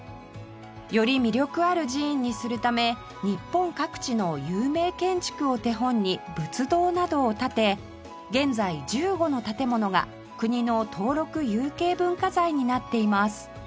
より魅力ある寺院にするため日本各地の有名建築を手本に仏堂などを建て現在１５の建物が国の登録有形文化財になっています